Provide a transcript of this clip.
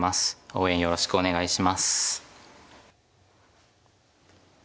応援よろしくお願いします。